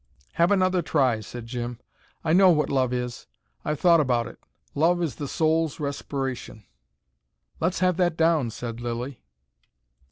"Have another try," said Jim, "I know what love is. I've thought about it. Love is the soul's respiration." "Let's have that down," said Lilly.